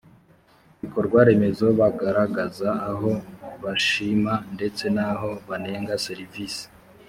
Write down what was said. bikorwaremezo bagaragaza aho bashima ndetse n aho banenga serivisi